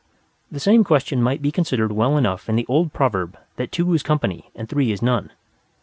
The same question might be considered well enough in the old proverb that two is company and three is none.